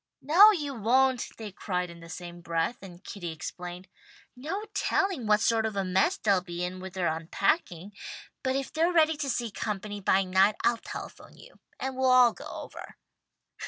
"No you won't," they cried in the same breath, and Kitty explained, "No telling what sort of a mess they'll be in with their unpacking. But if they're ready to see company by night, I'll telephone to you, and we'll all go over."